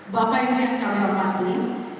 bapak ibu yang kami hormati